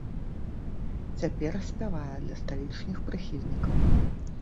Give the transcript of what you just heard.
Цяпер спявае для сталічных прыхільнікаў.